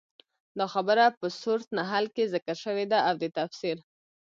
دا خبره په سورت نحل کي ذکر شوي ده، او د تفسير